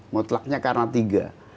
mutlaknya karena tiga